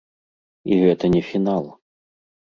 І гэта не фінал.